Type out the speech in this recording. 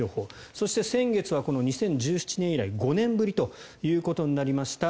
そして先月は２０１７年以来５年ぶりということになりました